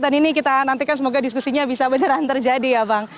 dan ini kita nantikan semoga diskusinya bisa beneran terjadi ya bang